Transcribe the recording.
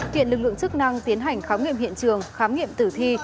hiện lực lượng chức năng tiến hành khám nghiệm hiện trường khám nghiệm tử thi